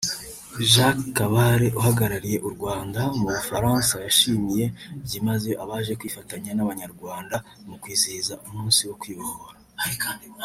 Jacques Kabare uhagarariye u Rwanda mu Bufaransa yashimiye byimazeyo abaje kwifatanya n’Abanyarwanda mu kwizihiza umunsi wo kwibohora